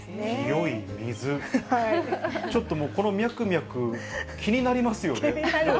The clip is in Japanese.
ちょっとこのミャクミャク、気になりますよね。